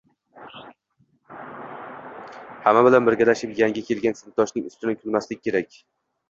hamma bilan birgalashib yangi kelgan sinfdoshning ustidan kulmaslik kerak.